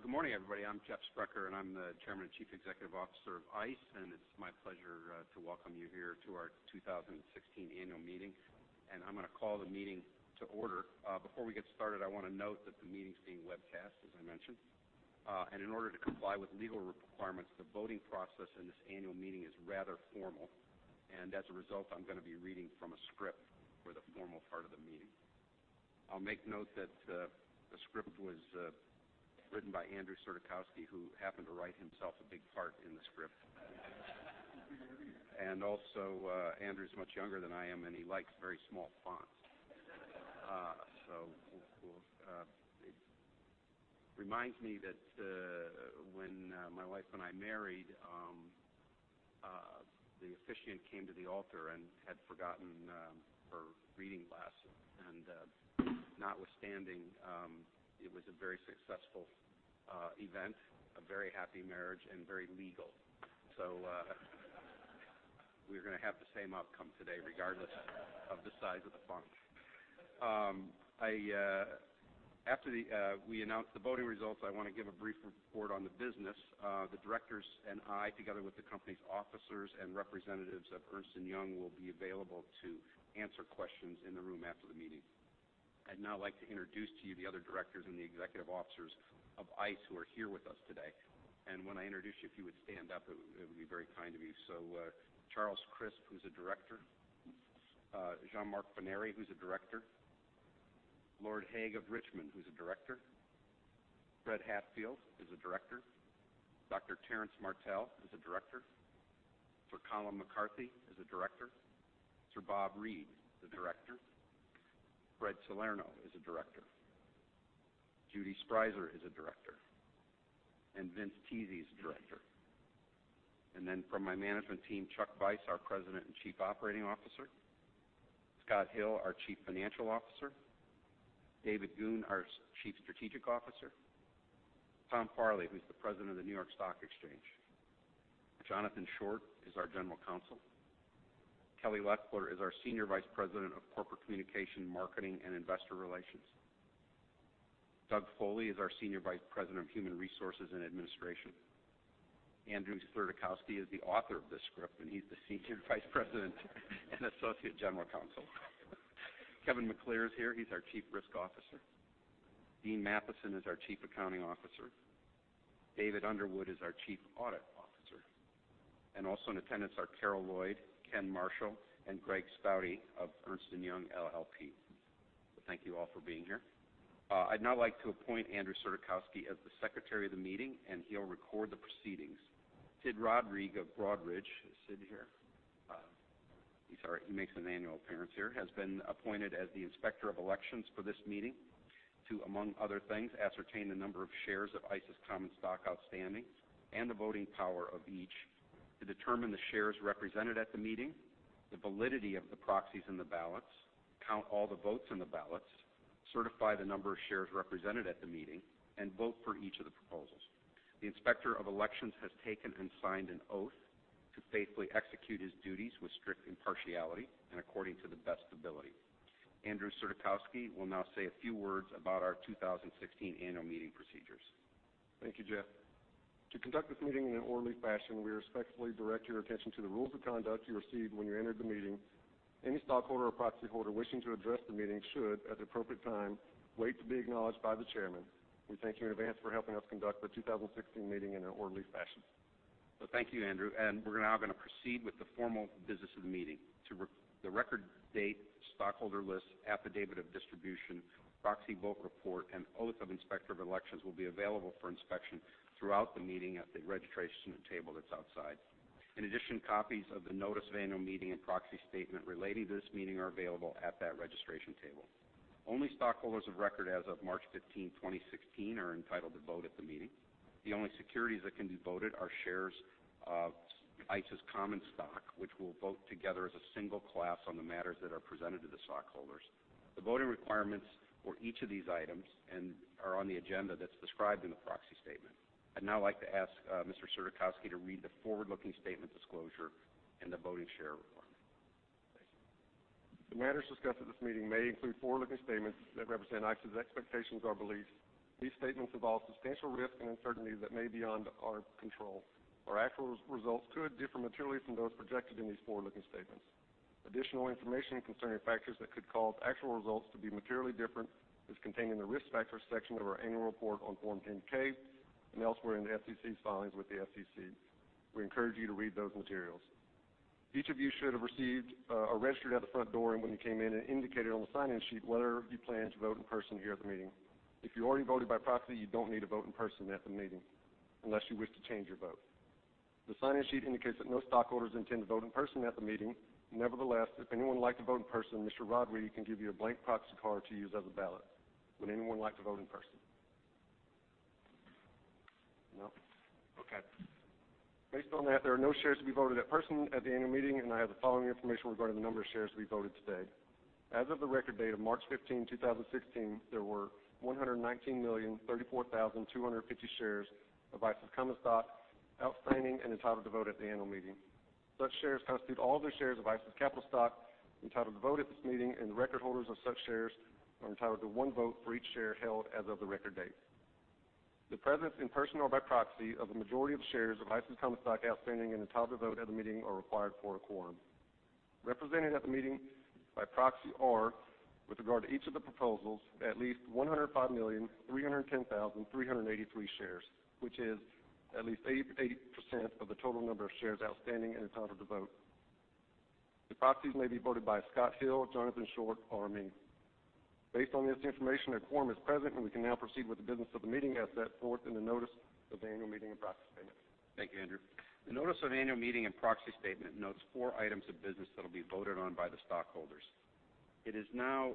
Good morning, everybody. I'm Jeffrey Sprecher, and I'm the Chairman and Chief Executive Officer of ICE, and it's my pleasure to welcome you here to our 2016 annual meeting. I'm going to call the meeting to order. Before we get started, I want to note that the meeting's being webcast, as I mentioned. In order to comply with legal requirements, the voting process in this annual meeting is rather formal, and as a result, I'm going to be reading from a script for the formal part of the meeting. I'll make note that the script was written by Andrew Surdykowski, who happened to write himself a big part in the script. Also, Andrew's much younger than I am, and he likes very small fonts. It reminds me that when my wife and I married, the officiant came to the altar and had forgotten her reading glasses, notwithstanding, it was a very successful event, a very happy marriage, and very legal. We're going to have the same outcome today, regardless of the size of the font. After we announce the voting results, I want to give a brief report on the business. The directors and I, together with the company's officers and representatives of Ernst & Young, will be available to answer questions in the room after the meeting. I'd now like to introduce to you the other directors and the executive officers of ICE who are here with us today. When I introduce you, if you would stand up, it would be very kind of you. Charles Crisp, who's a director. Jean-Marc Forneri, who's a director. Lord Hague of Richmond, who's a director. Fred Hatfield is a director. Dr. Terrence Martell is a director. Sir Callum McCarthy is a director. Sir Bob Reid, the director. Fred Salerno is a director. Judith Sprieser is a director. Vincent Tese is a director. From my management team, Charles Vice, our President and Chief Operating Officer. Scott Hill, our Chief Financial Officer. David Goone, our Chief Strategic Officer. Thomas Farley, who's the President of the New York Stock Exchange. Johnathan Short is our General Counsel. Kelly Loeffler is our Senior Vice President of Corporate Communication, Marketing, and Investor Relations. Douglas Foley is our Senior Vice President of Human Resources and Administration. Andrew Surdykowski is the author of this script, and he's the Senior Vice President and Associate General Counsel. Kevin McClear is here. He's our Chief Risk Officer. Dean Mathison is our Chief Accounting Officer. David Underwood is our Chief Audit Officer. Also in attendance are Karole Lloyd, Ken Marshall, and Greg Staude of Ernst & Young LLP. Thank you all for being here. I'd now like to appoint Andrew Surdykowski as the secretary of the meeting, and he'll record the proceedings. Sid Rodrigue of Broadridge Financial Solutions. Is Sid here? He makes an annual appearance here. He has been appointed as the Inspector of Elections for this meeting to, among other things, ascertain the number of shares of ICE's common stock outstanding and the voting power of each to determine the shares represented at the meeting, the validity of the proxies in the ballots, count all the votes in the ballots, certify the number of shares represented at the meeting, and vote for each of the proposals. The Inspector of Elections has taken and signed an oath to faithfully execute his duties with strict impartiality and according to the best ability. Andrew Surdykowski will now say a few words about our 2016 annual meeting procedures. Thank you, Jeff. To conduct this meeting in an orderly fashion, we respectfully direct your attention to the rules of conduct you received when you entered the meeting. Any stockholder or proxy holder wishing to address the meeting should, at the appropriate time, wait to be acknowledged by the chairman. We thank you in advance for helping us conduct the 2016 meeting in an orderly fashion. Thank you, Andrew. We're now going to proceed with the formal business of the meeting. The record date, stockholder list, affidavit of distribution, proxy vote report, and oath of Inspector of Elections will be available for inspection throughout the meeting at the registration table that's outside. In addition, copies of the notice of annual meeting and proxy statement relating to this meeting are available at that registration table. Only stockholders of record as of March 15, 2016, are entitled to vote at the meeting. The only securities that can be voted are shares of ICE's common stock, which will vote together as a single class on the matters that are presented to the stockholders. The voting requirements for each of these items are on the agenda that's described in the proxy statement. I'd now like to ask Mr. Surdykowski to read the forward-looking statement disclosure and the voting share reform. Thank you. The matters discussed at this meeting may include forward-looking statements that represent ICE's expectations or beliefs. These statements involve substantial risk and uncertainty that may be beyond our control. Our actual results could differ materially from those projected in these forward-looking statements. Additional information concerning factors that could cause actual results to be materially different is contained in the Risk Factors section of our annual report on Form 10-K and elsewhere in the SEC filings with the SEC. We encourage you to read those materials. Each of you should have received a register at the front door when you came in and indicated on the sign-in sheet whether you plan to vote in person here at the meeting. If you already voted by proxy, you don't need to vote in person at the meeting unless you wish to change your vote. The sign-in sheet indicates that no stockholders intend to vote in person at the meeting. Nevertheless, if anyone would like to vote in person, Mr. Rodrigue can give you a blank proxy card to use as a ballot. Would anyone like to vote in person? No. Okay. Based on that, there are no shares to be voted in person at the annual meeting, and I have the following information regarding the number of shares to be voted today. As of the record date of March 15, 2016, there were 119,034,250 shares of ICE's common stock outstanding and entitled to vote at the annual meeting. Such shares constitute all of the shares of ICE's capital stock entitled to vote at this meeting, and the record holders of such shares are entitled to one vote for each share held as of the record date. The presence in person or by proxy of the majority of shares of ICE's common stock outstanding and entitled to vote at the meeting are required for a quorum. Represented at the meeting by proxy are, with regard to each of the proposals, at least 105,310,383 shares, which is at least 88% of the total number of shares outstanding and entitled to vote. The proxies may be voted by Scott Hill, Johnathan Short, or me. Based on this information, a quorum is present, and we can now proceed with the business of the meeting as set forth in the notice of the annual meeting and proxy statement. Thank you, Andrew. The notice of annual meeting and proxy statement notes four items of business that will be voted on by the stockholders. It is now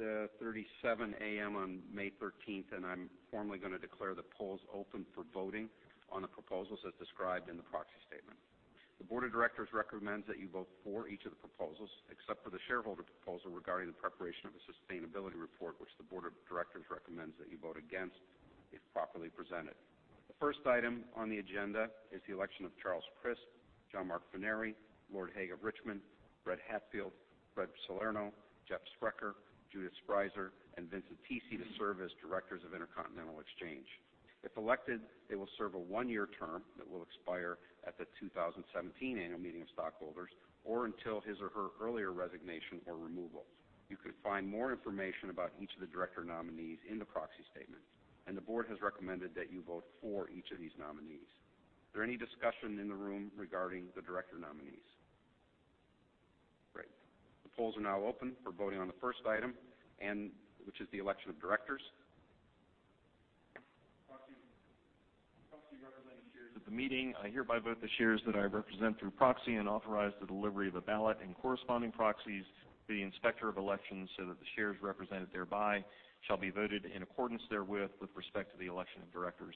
8:37 A.M. on May 13th, and I'm formally going to declare the polls open for voting on the proposals as described in the proxy statement. The board of directors recommends that you vote for each of the proposals, except for the shareholder proposal regarding the preparation of a sustainability report, which the board of directors recommends that you vote against if properly presented. The first item on the agenda is the election of Charles Crisp, Jean-Marc Forneri, Lord Hague of Richmond, Fred Hatfield, Fred Salerno, Jeff Sprecher, Judith Sprieser, and Vincent Tese to serve as directors of Intercontinental Exchange. If elected, they will serve a one-year term that will expire at the 2017 annual meeting of stockholders or until his or her earlier resignation or removal. You can find more information about each of the director nominees in the proxy statement. The board has recommended that you vote for each of these nominees. Is there any discussion in the room regarding the director nominees? Great. The polls are now open for voting on the first item, which is the election of directors. Proxy representing shares at the meeting, I hereby vote the shares that I represent through proxy and authorize the delivery of a ballot and corresponding proxies to the Inspector of Election so that the shares represented thereby shall be voted in accordance therewith with respect to the election of directors.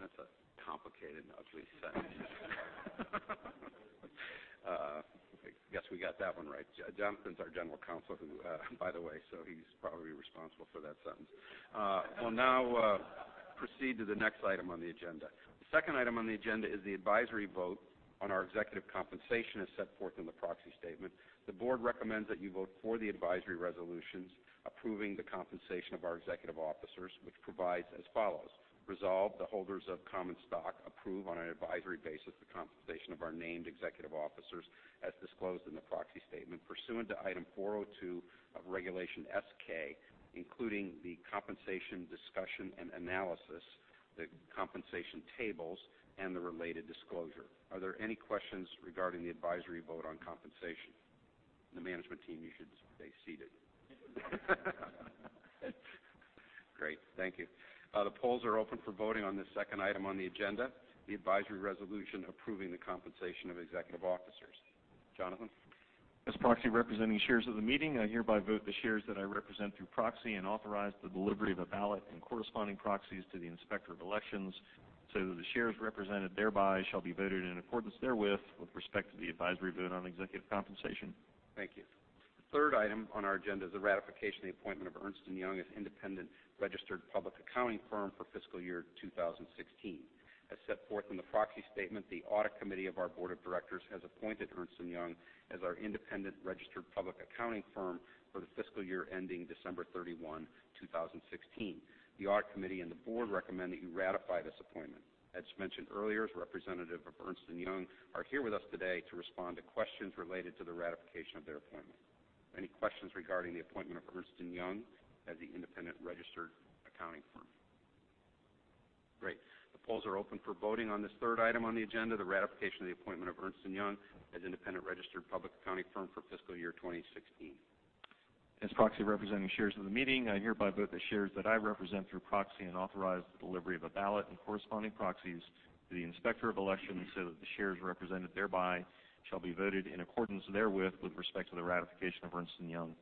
That's a complicated, ugly sentence. Guess we got that one right. Johnathan's our General Counsel, by the way. He's probably responsible for that sentence. We'll now proceed to the next item on the agenda. The second item on the agenda is the advisory vote on our executive compensation as set forth in the proxy statement. The board recommends that you vote for the advisory resolutions approving the compensation of our executive officers, which provides as follows. Resolved, the holders of common stock approve-on an advisory basis-the compensation of our named executive officers as disclosed in the proxy statement pursuant to Item 402 of Regulation S-K, including the compensation discussion and analysis, the compensation tables, and the related disclosure. Are there any questions regarding the advisory vote on compensation? The management team, you should stay seated. Great. Thank you. The polls are open for voting on the second item on the agenda, the advisory resolution approving the compensation of executive officers. Johnathan? As proxy representing shares of the meeting, I hereby vote the shares that I represent through proxy and authorize the delivery of a ballot and corresponding proxies to the Inspector of Election so that the shares represented thereby shall be voted in accordance therewith with respect to the advisory vote on executive compensation. Thank you. The third item on our agenda is the ratification of the appointment of Ernst & Young as independent registered public accounting firm for fiscal year 2016. As set forth in the proxy statement, the audit committee of our board of directors has appointed Ernst & Young as our independent registered public accounting firm for the fiscal year ending December 31, 2016. The audit committee and the board recommend that you ratify this appointment. As mentioned earlier, representatives of Ernst & Young are here with us today to respond to questions related to the ratification of their appointment. Any questions regarding the appointment of Ernst & Young as the independent registered accounting firm? Great. The polls are open for voting on this third item on the agenda, the ratification of the appointment of Ernst & Young as independent registered public accounting firm for fiscal year 2016. As proxy representing shares of the meeting, I hereby vote the shares that I represent through proxy and authorize the delivery of a ballot and corresponding proxies to the Inspector of Election so that the shares represented thereby shall be voted in accordance therewith with respect to the ratification of Ernst & Young.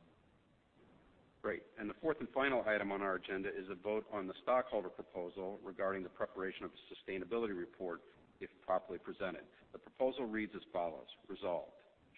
Great. The fourth and final item on our agenda is a vote on the stockholder proposal regarding the preparation of a sustainability report if properly presented. The proposal reads as follows. Resolved,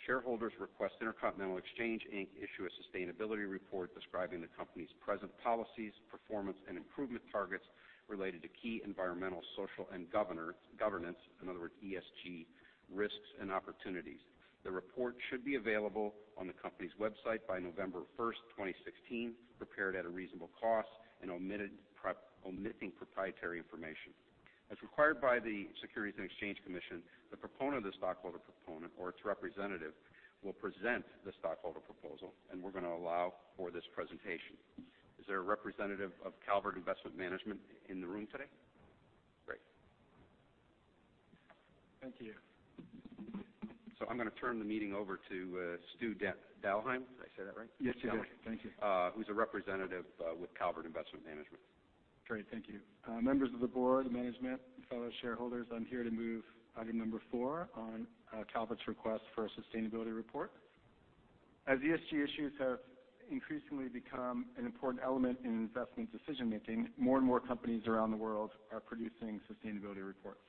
shareholders request Intercontinental Exchange, Inc. issue a sustainability report describing the company's present policies, performance, and improvement targets related to key environmental, social, and governance, in other words, ESG, risks and opportunities. The report should be available on the company's website by November 1st, 2016, prepared at a reasonable cost and omitting proprietary information. As required by the Securities and Exchange Commission, the proponent of the stockholder proposal or its representative will present the stockholder proposal, we're going to allow for this presentation. Is there a representative of Calvert Investment Management in the room today? Great. Thank you. I'm going to turn the meeting over to Stu Dalheim. Did I say that right? Yes, you did. Thank you. Who's a representative with Calvert Investment Management. Great. Thank you. Members of the board, management, fellow shareholders, I am here to move item number 4 on Calvert's request for a sustainability report. As ESG issues have increasingly become an important element in investment decision-making, more and more companies around the world are producing sustainability reports.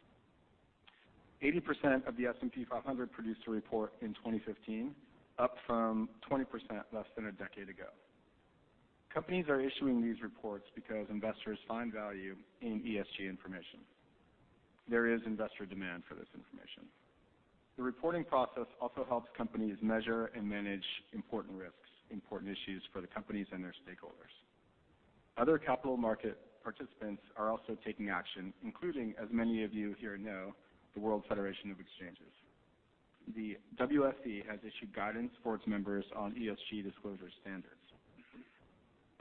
80% of the S&P 500 produced a report in 2015, up from 20% less than a decade ago. Companies are issuing these reports because investors find value in ESG information. There is investor demand for this information. The reporting process also helps companies measure and manage important risks, important issues for the companies and their stakeholders. Other capital market participants are also taking action, including, as many of you here know, the World Federation of Exchanges. The WFE has issued guidance for its members on ESG disclosure standards.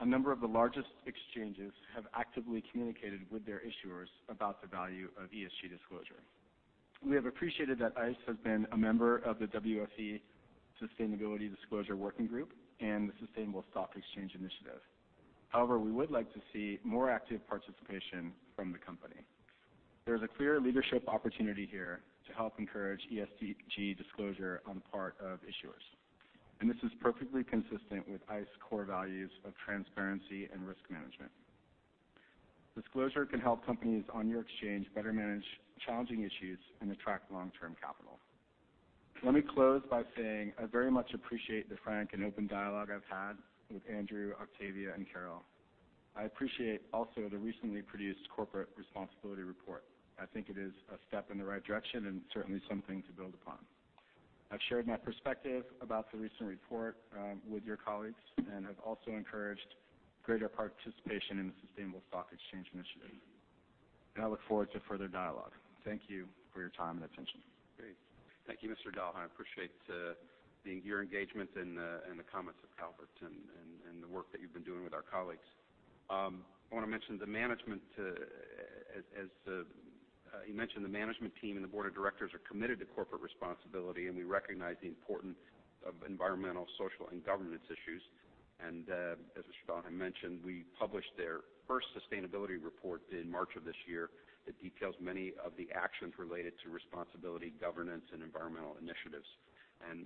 A number of the largest exchanges have actively communicated with their issuers about the value of ESG disclosure. We have appreciated that ICE has been a member of the WFE Sustainability Disclosure Working Group and the Sustainable Stock Exchange Initiative. We would like to see more active participation from the company. There is a clear leadership opportunity here to help encourage ESG disclosure on the part of issuers. This is perfectly consistent with ICE core values of transparency and risk management. Disclosure can help companies on your exchange better manage challenging issues and attract long-term capital. Let me close by saying I very much appreciate the frank and open dialogue I've had with Andrew, Octavia, and Carol. I appreciate also the recently produced corporate responsibility report. I think it is a step in the right direction and certainly something to build upon. I've shared my perspective about the recent report with your colleagues and have also encouraged greater participation in the Sustainable Stock Exchange Initiative. I look forward to further dialogue. Thank you for your time and attention. Great. Thank you, Mr. Dalheim. I appreciate your engagement and the comments of Calvert and the work that you've been doing with our colleagues. I want to mention, as he mentioned, the management team and the board of directors are committed to corporate responsibility. We recognize the importance of environmental, social, and governance issues. As Mr. Dalheim mentioned, we published their first sustainability report in March of this year that details many of the actions related to responsibility, governance, and environmental initiatives.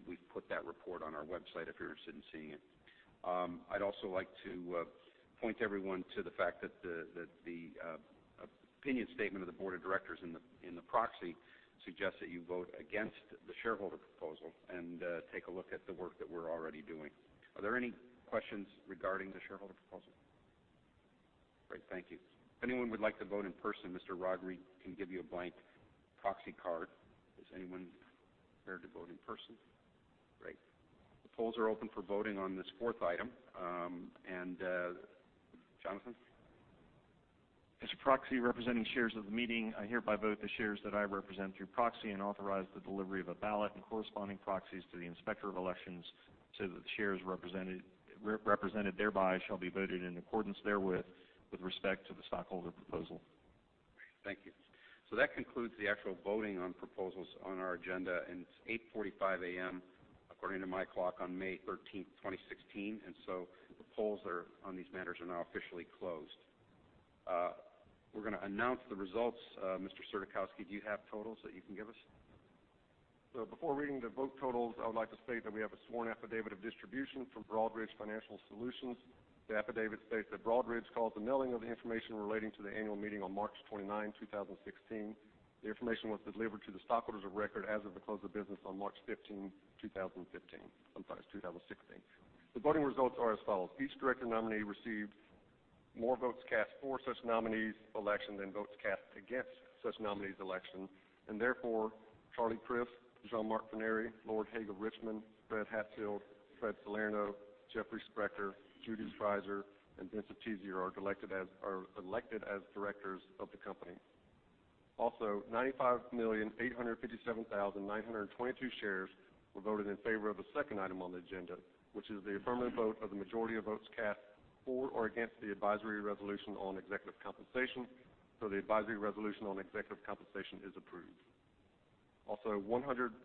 We've put that report on our website if you're interested in seeing it. I'd also like to point everyone to the fact that the opinion statement of the board of directors in the proxy suggests that you vote against the shareholder proposal and take a look at the work that we're already doing. Are there any questions regarding the shareholder proposal? Great. Thank you. If anyone would like to vote in person, Mr. Rodrigue can give you a blank proxy card. Is anyone prepared to vote in person? Great. The polls are open for voting on this fourth item. Johnathan? As a proxy representing shares of the meeting, I hereby vote the shares that I represent through proxy and authorize the delivery of a ballot and corresponding proxies to the Inspector of Elections so that the shares represented thereby shall be voted in accordance therewith with respect to the stockholder proposal. Great. Thank you. That concludes the actual voting on proposals on our agenda, it's 8:45 A.M. according to my clock on May 13th, 2016. The polls on these matters are now officially closed. We're going to announce the results. Mr. Surdykowski, do you have totals that you can give us? Before reading the vote totals, I would like to state that we have a sworn affidavit of distribution from Broadridge Financial Solutions. The affidavit states that Broadridge called the mailing of the information relating to the annual meeting on March 29, 2016. The information was delivered to the stockholders of record as of the close of business on March 15, 2016. The voting results are as follows. Each director nominee received more votes cast for such nominee's election than votes cast against such nominee's election. Therefore, Charles Crisp, Jean-Marc Forneri, Lord Hague of Richmond, Fred Hatfield, Fred Salerno, Jeffrey Sprecher, Judith Sprieser, and Vincent Tese are elected as directors of the company. Also, 95,857,922 shares were voted in favor of the second item on the agenda, which is the affirmative vote of the majority of votes cast for or against the advisory resolution on executive compensation. The advisory resolution on executive compensation is approved. Also,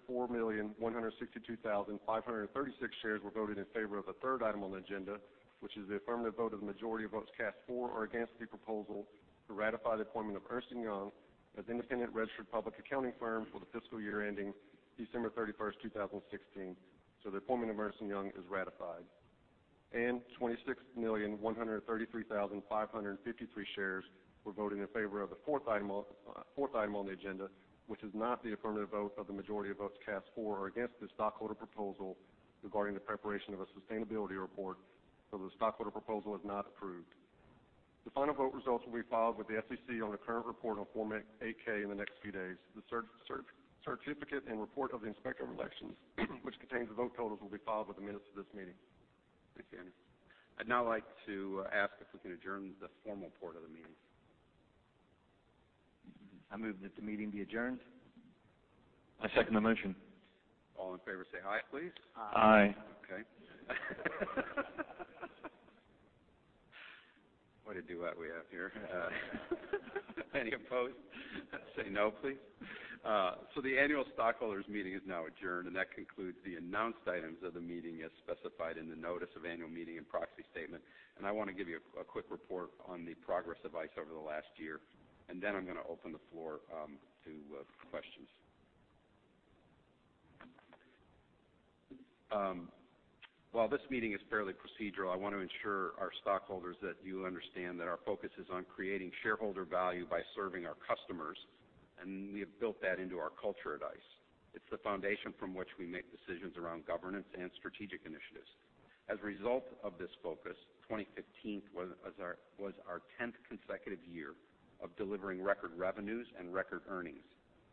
104,162,536 shares were voted in favor of the third item on the agenda, which is the affirmative vote of the majority of votes cast for or against the proposal to ratify the appointment of Ernst & Young as independent registered public accounting firm for the fiscal year ending December 31st, 2016. The appointment of Ernst & Young is ratified. 26,133,553 shares were voted in favor of the fourth item on the agenda, which is not the affirmative vote of the majority of votes cast for or against the stockholder proposal regarding the preparation of a sustainability report, the stockholder proposal is not approved. The final vote results will be filed with the SEC on a current report on Form 8-K in the next few days. The certificate and report of the Inspector of Elections, which contains the vote totals, will be filed with the minutes of this meeting. Thanks, Andy. I'd now like to ask if we can adjourn the formal part of the meeting. I move that the meeting be adjourned. I second the motion. All in favor say aye, please. Aye. Aye. Okay. What a duet we have here. Any opposed say no, please. The annual stockholders meeting is now adjourned, and that concludes the announced items of the meeting as specified in the notice of annual meeting and proxy statement. I want to give you a quick report on the progress of ICE over the last year, and then I'm going to open the floor to questions. While this meeting is fairly procedural, I want to ensure our stockholders that you understand that our focus is on creating shareholder value by serving our customers. We have built that into our culture at ICE. It's the foundation from which we make decisions around governance and strategic initiatives. As a result of this focus, 2015 was our 10th consecutive year of delivering record revenues and record earnings,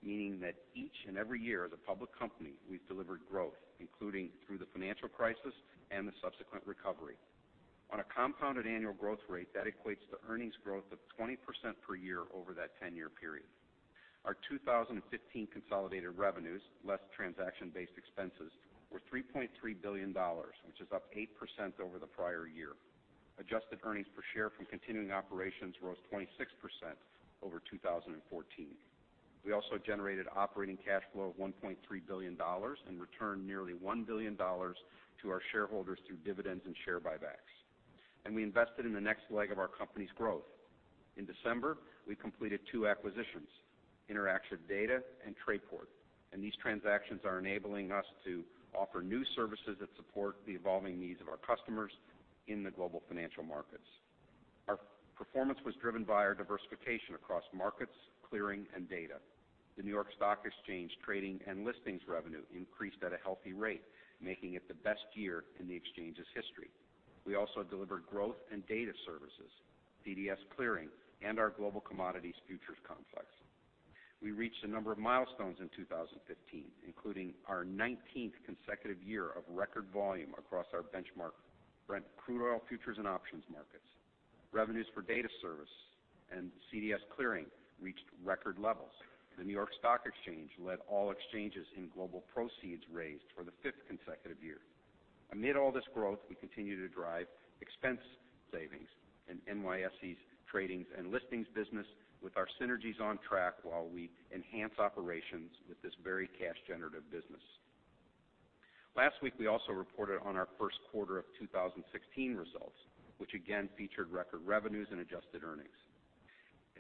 meaning that each and every year as a public company, we've delivered growth, including through the financial crisis and the subsequent recovery. On a compounded annual growth rate, that equates to earnings growth of 20% per year over that 10-year period. Our 2015 consolidated revenues, less transaction-based expenses, were $3.3 billion, which is up 8% over the prior year. Adjusted earnings per share from continuing operations rose 26% over 2014. We also generated operating cash flow of $1.3 billion and returned nearly $1 billion to our shareholders through dividends and share buybacks. We invested in the next leg of our company's growth. In December, we completed two acquisitions, Interactive Data and Trayport. These transactions are enabling us to offer new services that support the evolving needs of our customers in the global financial markets. Our performance was driven by our diversification across markets, clearing, and data. The New York Stock Exchange trading and listings revenue increased at a healthy rate, making it the best year in the exchange's history. We also delivered growth in data services, CDS Clearing, and our global commodities futures complex. We reached a number of milestones in 2015, including our 19th consecutive year of record volume across our benchmark Brent Crude Oil futures and options markets. Revenues for data service and CDS Clearing reached record levels. The New York Stock Exchange led all exchanges in global proceeds raised for the fifth consecutive year. Amid all this growth, we continue to drive expense savings in NYSE's tradings and listings business with our synergies on track while we enhance operations with this very cash-generative business. Last week, we also reported on our first quarter of 2016 results, which again featured record revenues and adjusted earnings.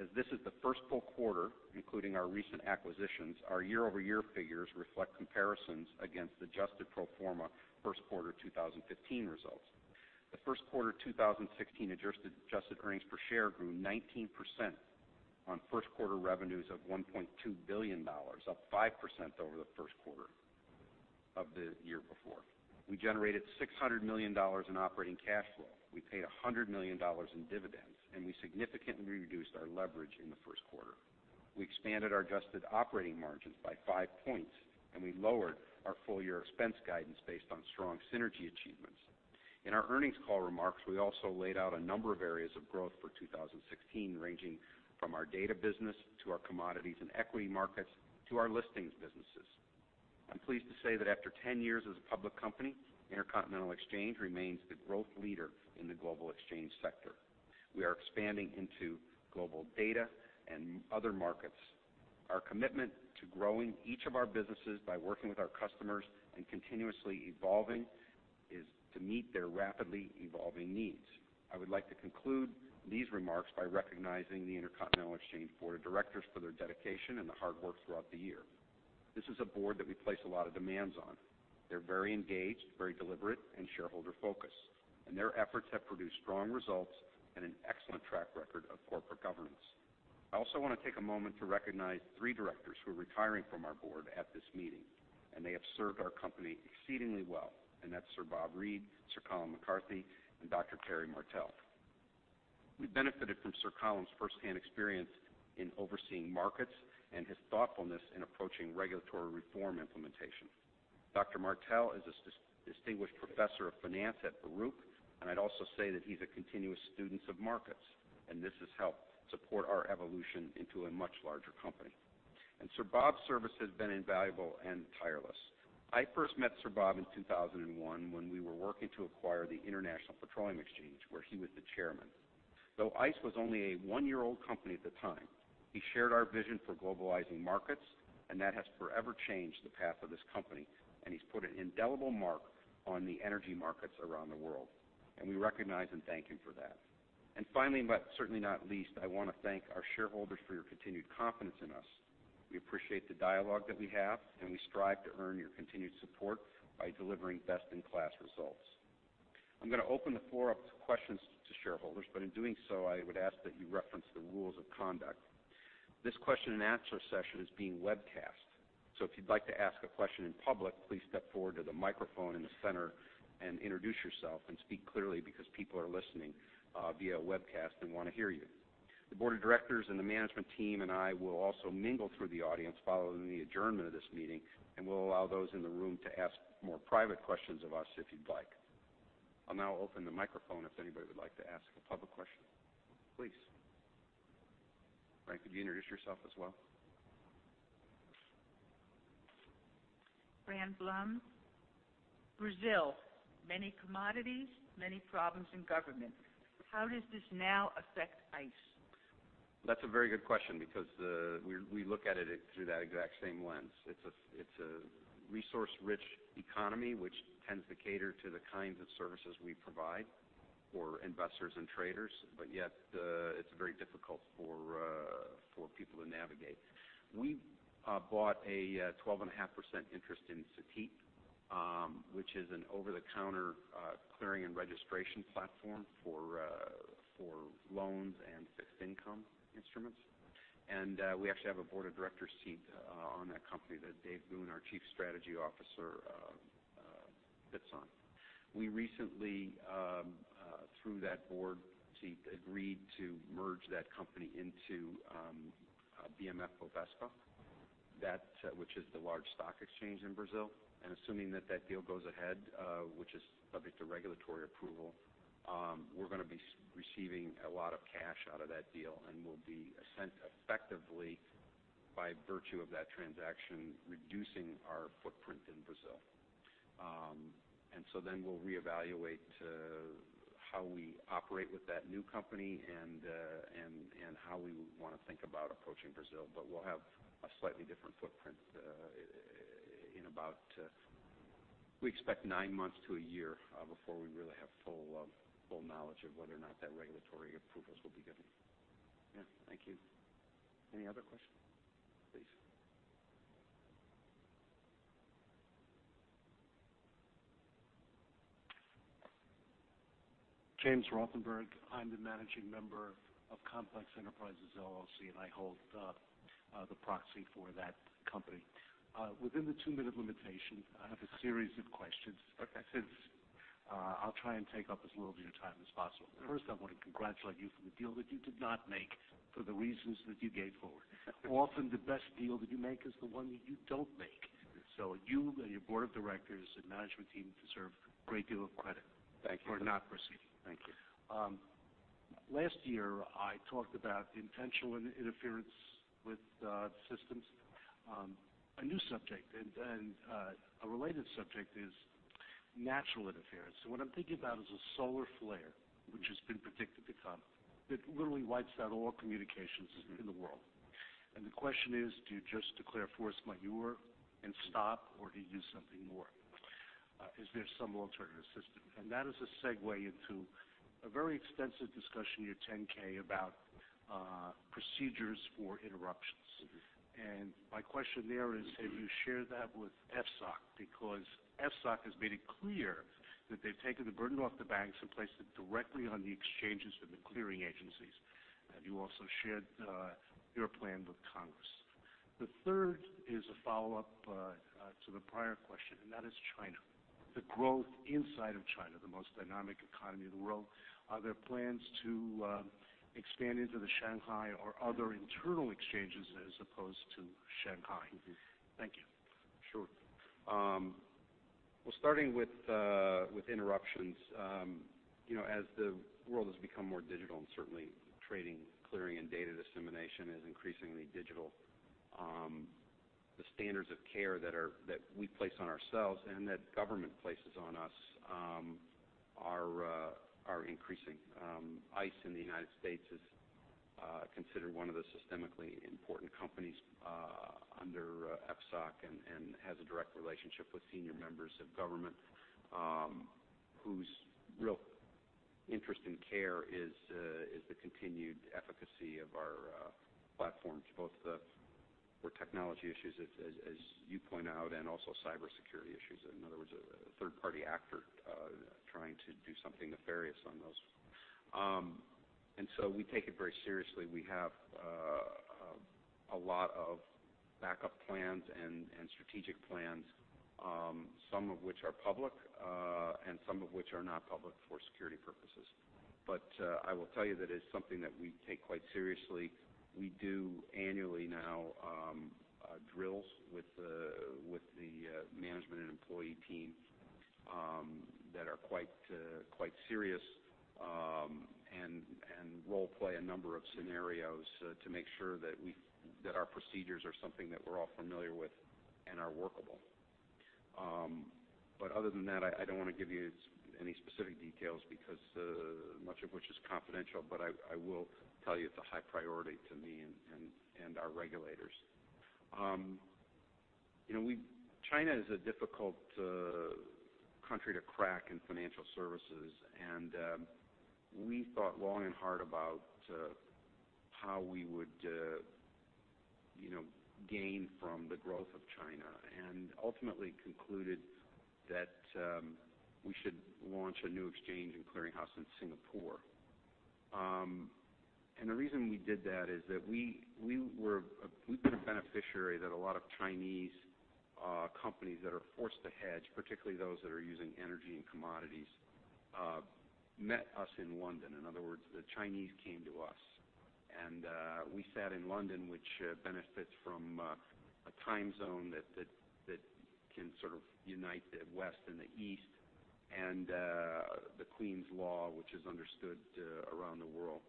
As this is the first full quarter, including our recent acquisitions, our year-over-year figures reflect comparisons against adjusted pro forma first quarter 2015 results. The first quarter 2016 adjusted earnings per share grew 19% on first quarter revenues of $1.2 billion, up 5% over the first quarter of the year before. We generated $600 million in operating cash flow. We paid $100 million in dividends. We significantly reduced our leverage in the first quarter. We expanded our adjusted operating margins by five points. We lowered our full-year expense guidance based on strong synergy achievements. In our earnings call remarks, we also laid out a number of areas of growth for 2016, ranging from our data business to our commodities and equity markets, to our listings businesses. I'm pleased to say that after 10 years as a public company, Intercontinental Exchange remains the growth leader in the global exchange sector. We are expanding into global data and other markets. Our commitment to growing each of our businesses by working with our customers and continuously evolving is to meet their rapidly evolving needs. I would like to conclude these remarks by recognizing the Intercontinental Exchange board of directors for their dedication and their hard work throughout the year. This is a board that we place a lot of demands on. They're very engaged, very deliberate and shareholder-focused. Their efforts have produced strong results and an excellent track record of corporate governance. I also want to take a moment to recognize three directors who are retiring from our board at this meeting. They have served our company exceedingly well, and that's Sir Bob Reid, Sir Callum McCarthy, and Dr. Terry Martell. We benefited from Sir Callum's firsthand experience in overseeing markets and his thoughtfulness in approaching regulatory reform implementation. Dr. Terry Martell is a distinguished professor of finance at Baruch. I'd also say that he's a continuous student of markets. This has helped support our evolution into a much larger company. Sir Bob's service has been invaluable and tireless. I first met Sir Bob in 2001 when we were working to acquire the International Petroleum Exchange, where he was the chairman. Though ICE was only a one-year-old company at the time, he shared our vision for globalizing markets, and that has forever changed the path of this company, and he's put an indelible mark on the energy markets around the world, and we recognize and thank him for that. Finally, but certainly not least, I want to thank our shareholders for your continued confidence in us. We appreciate the dialogue that we have, and we strive to earn your continued support by delivering best-in-class results. I'm going to open the floor up to questions to shareholders, but in doing so, I would ask that you reference the rules of conduct. This question and answer session is being webcast. If you'd like to ask a question in public, please step forward to the microphone in the center and introduce yourself and speak clearly because people are listening via webcast and want to hear you. The board of directors and the management team and I will also mingle through the audience following the adjournment of this meeting, and we'll allow those in the room to ask more private questions of us if you'd like. I'll now open the microphone if anybody would like to ask a public question. Please. Fran, could you introduce yourself as well? Fran Blum. Brazil, many commodities, many problems in government. How does this now affect ICE? That's a very good question because we look at it through that exact same lens. It's a resource-rich economy, which tends to cater to the kinds of services we provide for investors and traders. Yet, it's very difficult for people to navigate. We bought a 12.5% interest in Cetip, which is an over-the-counter clearing and registration platform for loans and fixed income instruments. We actually have a board of directors seat on that company that Dave Goone, our Chief Strategy Officer, sits on. We recently, through that board seat, agreed to merge that company into BM&FBOVESPA, which is the large stock exchange in Brazil. Assuming that deal goes ahead, which is subject to regulatory approval, we're going to be receiving a lot of cash out of that deal, and we'll be effectively, by virtue of that transaction, reducing our footprint in Brazil. We'll reevaluate how we operate with that new company and how we want to think about approaching Brazil, but we'll have a slightly different footprint in about, we expect, nine months to a year before we really have full knowledge of whether or not that regulatory approvals will be given. Yeah. Thank you. Any other questions? Please. James Rothenberg, I'm the managing member of Complex Enterprises, LLC, and I hold the proxy for that company. Within the two-minute limitation, I have a series of questions. Okay. I'll try and take up as little of your time as possible. First, I want to congratulate you for the deal that you did not make for the reasons that you gave forward. Often, the best deal that you make is the one that you don't make. You and your board of directors and management team deserve a great deal of credit- Thank you for not proceeding. Thank you. Last year, I talked about intentional interference with systems. A new subject and a related subject is natural interference, what I'm thinking about is a solar flare, which has been predicted to come, that literally wipes out all communications in the world. The question is, do you just declare force majeure and stop, or do you do something more? Is there some alternative system? That is a segue into a very extensive discussion in your 10-K about procedures for interruptions. My question there is, have you shared that with FSOC? Because FSOC has made it clear that they've taken the burden off the banks and placed it directly on the exchanges and the clearing agencies. Have you also shared your plan with Congress? The third is a follow-up to the prior question, that is China, the growth inside of China, the most dynamic economy in the world. Are there plans to expand into the Shanghai or other internal exchanges as opposed to Shanghai? Thank you. Sure. Starting with interruptions, as the world has become more digital, and certainly trading, clearing, and data dissemination is increasingly digital, the standards of care that we place on ourselves and that government places on us are increasing. ICE in the U.S. is considered one of the systemically important companies under FSOC and has a direct relationship with senior members of government, whose real interest in care is the continued efficacy of our platforms, both for technology issues, as you point out, and also cybersecurity issues. In other words, a third-party actor trying to do something nefarious on those. We take it very seriously. We have a lot of backup plans and strategic plans, some of which are public, and some of which are not public for security purposes. I will tell you that it's something that we take quite seriously. We do annually now drills with the management and employee team that are quite serious, and role-play a number of scenarios to make sure that our procedures are something that we're all familiar with and are workable. Other than that, I don't want to give you any specific details because much of which is confidential, I will tell you it's a high priority to me and our regulators. China is a difficult country to crack in financial services, we thought long and hard about how we would gain from the growth of China and ultimately concluded that we should launch a new exchange and clearinghouse in Singapore. The reason we did that is that we've been a beneficiary that a lot of Chinese companies that are forced to hedge, particularly those that are using energy and commodities, met us in London. In other words, the Chinese came to us. We sat in London, which benefits from a time zone that can sort of unite the West and the East, the Queen's law, which is understood around the world,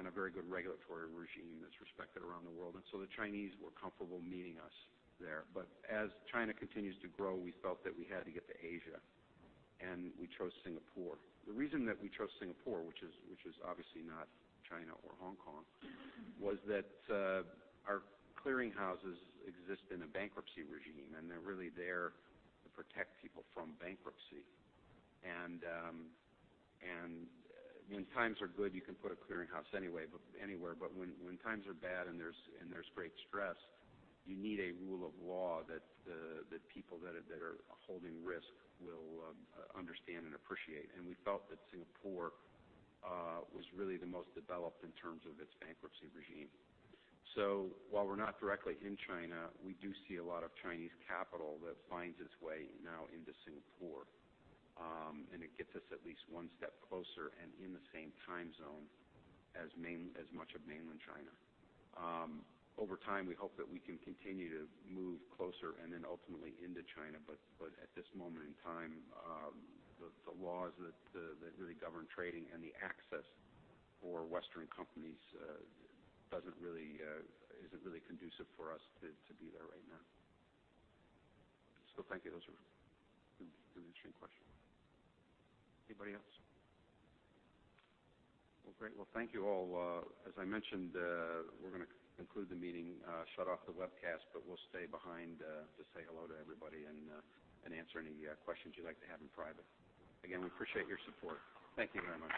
a very good regulatory regime that's respected around the world. The Chinese were comfortable meeting us there. As China continues to grow, we felt that we had to get to Asia, we chose Singapore. The reason that we chose Singapore, which is obviously not China or Hong Kong, was that our clearinghouses exist in a bankruptcy regime, they're really there to protect people from bankruptcy. When times are good, you can put a clearinghouse anywhere, but when times are bad and there's great stress, you need a rule of law that people that are holding risk will understand and appreciate. We felt that Singapore was really the most developed in terms of its bankruptcy regime. While we're not directly in China, we do see a lot of Chinese capital that finds its way now into Singapore, and it gets us at least one step closer and in the same time zone as much of mainland China. Over time, we hope that we can continue to move closer and then ultimately into China. At this moment in time, the laws that really govern trading and the access for Western companies isn't really conducive for us to be there right now. Thank you. Those were interesting questions. Anybody else? Great. Thank you all. As I mentioned, we're going to conclude the meeting, shut off the webcast, but we'll stay behind to say hello to everybody and answer any questions you'd like to have in private. Again, we appreciate your support. Thank you very much.